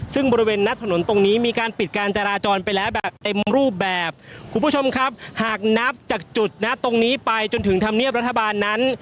ซึ่งบริเวณหน้าถนนตรงนี้มีการปิดการจราจรไปแล้วแบบเต็มรูปแบบคุณผู้ชมครับหากนับจากจุดนะตรงนี้ไปจนถึงธรรมเนียบรัฐบาลนั้น